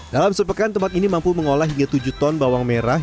dalam sepekan tempat ini mampu mengolah hingga tujuh ton bawang merah